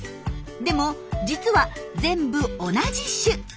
でも実は全部同じ種。